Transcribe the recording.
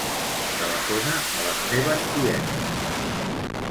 Telefona a les meves tietes.